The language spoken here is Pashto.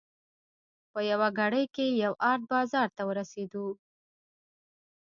په یوه ګړۍ کې یو ارت بازار ته ورسېدو.